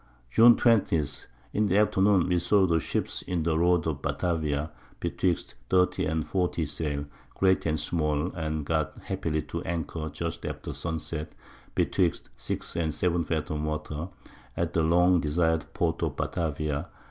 June 20. In the Afternoon we saw the Ships in the Road of Batavia, betwixt 30 and 40 Sail, great and small, and got happily to Anchor just after Sun set, betwixt 6 and 7 Fathom Water, at the long desired Port of Batavia.